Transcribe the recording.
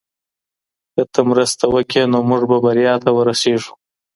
که ته مرسته وکړې نو موږ به بریا ته ورسیږو.